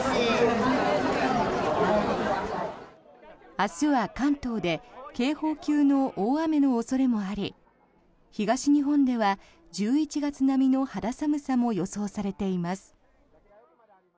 明日は関東で警報級の大雨の恐れもあり東日本では１１月並みの肌寒さも予想されています。